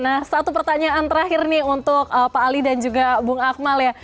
nah satu pertanyaan terakhir nih untuk pak ali dan juga bung akmal ya